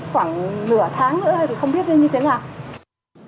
khoảng nửa tháng nữa hay thì không biết như thế nào